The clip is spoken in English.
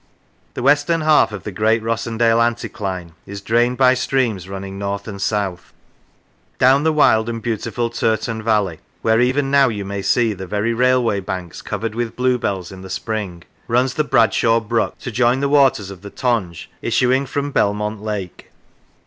The western half of the great Rossendale anticline is drained by streams running north and south. Down the wild and beautiful Turton Valley, where even now you may see the very railway banks covered with bluebells in the spring, runs the Bradshaw Brook, to join the waters of the Tonge issuing from Belmont Lake.